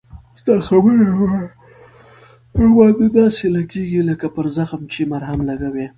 ستا خبري را باندي داسی لګیږي لکه پر زخم چې مرهم لګوې